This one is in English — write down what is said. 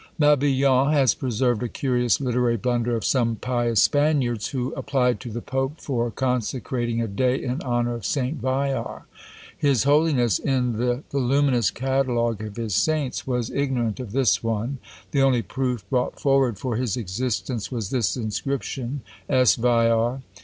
Mabillon has preserved a curious literary blunder of some pious Spaniards, who applied to the Pope for consecrating a day in honour of Saint Viar. His holiness, in the voluminous catalogue of his saints, was ignorant of this one. The only proof brought forward for his existence was this inscription: S. VIAR.